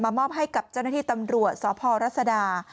มอบให้กับเจ้าหน้าที่ตำรวจสพรัศดา